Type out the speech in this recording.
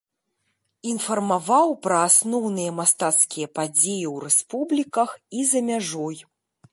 Інфармаваў пра асноўныя мастацкія падзеі ў рэспубліках і за мяжой.